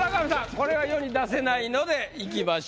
これは世に出せないのでいきましょう。